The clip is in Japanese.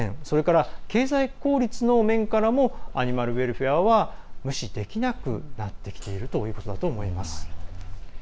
それから、経済効率の面からもアニマルウェルフェアは無視できなくなってきているということだと思います。